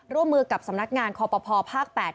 ร่วมมือกับสำนักงานคอปภภาค๘